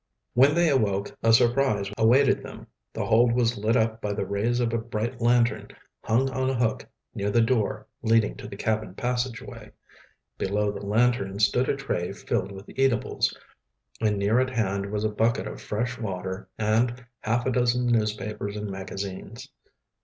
When they awoke a surprise awaited them. The hold was lit up by the rays of a bright lantern hung on a hook near the door leading to the cabin passageway. Below the lantern stood a tray filled with eatables, and near at hand was a bucket of fresh water and half a dozen newspapers and magazines.